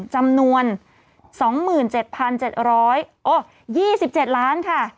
จำนวนสองหมื่นเจ็ดพันเจ็ดร้อยโอ้ยี่สิบเจ็ดล้านค่ะ